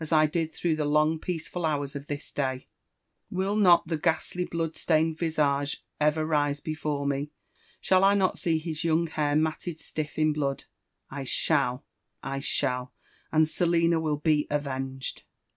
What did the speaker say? I did through the long peaceful hours of this day ? Will not the ghastly blood stained visage ever rise before me ?— shall I not see his young hair matted stiff in blood? I shall — I shall, and Selina will be avenged